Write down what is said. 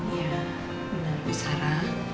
iya bener bu sara